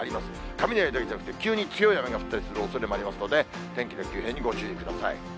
雷だけじゃなくて、急に強い雨が降ったりするおそれもありますので、天気の急変にご注意ください。